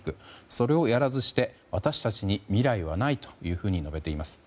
それをやらずして、私たちに未来はないと述べています。